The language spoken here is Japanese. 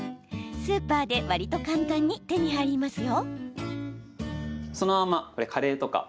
スーパーでわりと簡単に手に入りますよ。